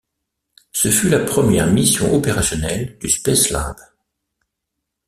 Ce fut la première mission opérationnelle du Spacelab.